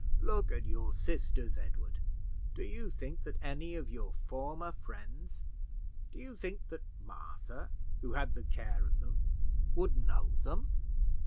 Look at your sisters, Edward. Do you think that any of your former friends do you think that Martha, who had the care of them, would know them?"